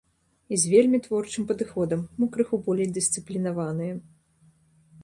І з вельмі творчым падыходам, мо крыху болей дысцыплінаваныя.